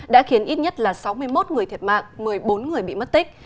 đã khiến ít nhất là sáu mươi một người thiệt mạng một mươi bốn người bị mất tích